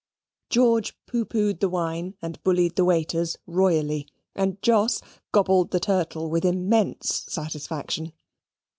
George pooh poohed the wine and bullied the waiters royally, and Jos gobbled the turtle with immense satisfaction.